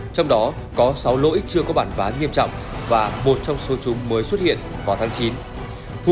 trong đó có sáu lỗi chưa có bản vá nghiêm trọng và một trong số chúng mới xuất hiện vào tháng chín